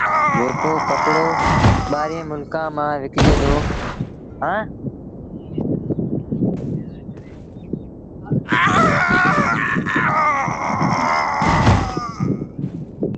جيڪو ڪپڙو ٻآهريٚݩ ملڪآݩ ميݩ وڪجي دو